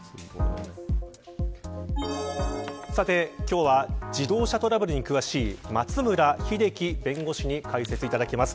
今日は自動車トラブルに詳しい松村英樹弁護士に解説をいただきます。